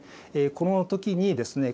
この時にですね